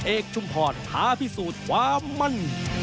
เอกชุมพรท้าพิสูจน์ความมั่น